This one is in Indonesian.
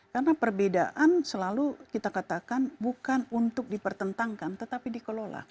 karena perbedaan selalu kita katakan bukan untuk dipertentangkan tetapi dikelola